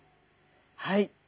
はい。